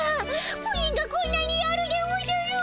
プリンがこんなにあるでおじゃる。